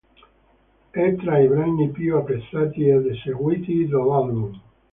È tra i brani più apprezzati ed eseguiti dell'album.